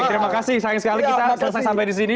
terima kasih sayang sekali kita selesai sampai disini